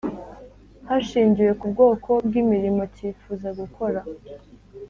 hashingiwe ku bwoko bw imirimo cyifuza gukora